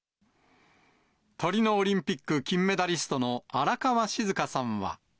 トリノオリンピック金メダリストの荒川静香さんは。